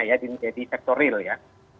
lain lainnya ya di sektor real ya